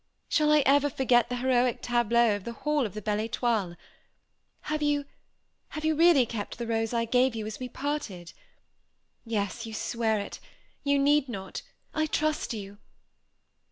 Shall I ever forget the heroic tableau of the hall of the Belle Étoile? Have you have you really kept the rose I gave you, as we parted? Yes you swear it. You need not; I trust you.